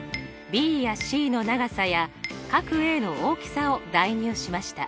ｂやｃの長さや角Ａの大きさを代入しました。